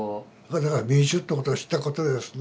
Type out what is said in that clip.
だから民衆ってことを知ったことですね。